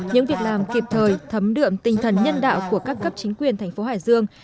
những việc làm kịp thời thấm đượm tinh thần nhân đạo của các cấp chính quyền thành phố hải dương